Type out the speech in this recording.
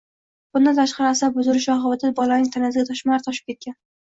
Bundan tashqari asab buzilishi oqibatida bolaning tanasiga toshmalar toshib ketgan.